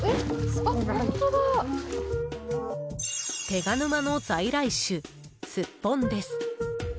手賀沼の在来種、スッポンです。